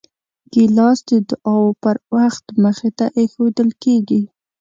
ګیلاس د دعاو پر وخت مخې ته ایښودل کېږي.